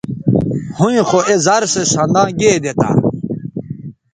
ھویں خو اے زر سو سنداں گیدے تھا